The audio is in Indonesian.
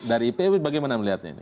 dari ipw bagaimana melihatnya ini